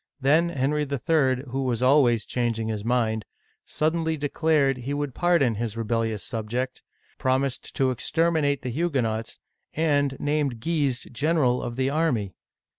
Then Henry III. — who was always changing his mind — suddenly declared he would pardon his rebellious subject, promised to exterminate the Hugue nots, and named Guise general of the army